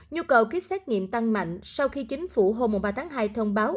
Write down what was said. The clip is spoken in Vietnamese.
nhu cầu ký xét nghiệm tăng mạnh sau khi chính phủ hôm ba tháng hai thông báo